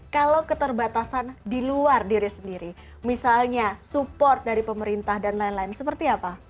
kalau keterbatasan di luar diri sendiri misalnya support dari pemerintah dan lain lain seperti apa